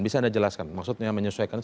bisa anda jelaskan maksudnya menyesuaikan